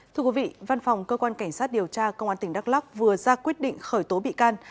thưa quý vị văn phòng cơ quan cảnh sát điều tra công an tỉnh đắk lắc vừa ra quyết định khởi tố bị can